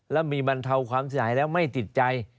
แล้วมีบรรเทาความเสียหายแล้วไม่ติดใจ